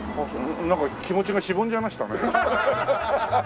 なんか気持ちがしぼんじゃいましたね。